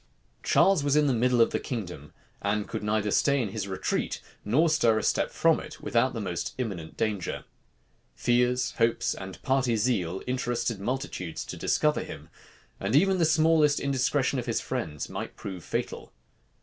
Charles was in the middle of the kingdom, and could neither stay in his retreat, nor stir a step from it, without the most imminent danger. Fears, hopes, and party zeal interested multitudes to discover him; and even the smallest indiscretion of his friends might prove fatal.